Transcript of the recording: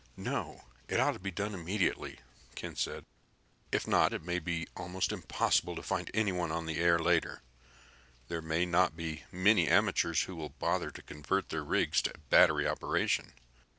"No. It ought to be done immediately," Ken said. "If not, it may be almost impossible to find anyone on the air later. There may not be many amateurs who will bother to convert their rigs to battery operation.